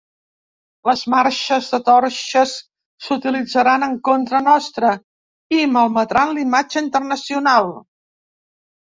Les marxes de torxes s’utilitzaran en contra nostra i malmetran l’imatge internacional.